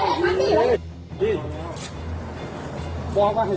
เออพวกมันคุยกันกัน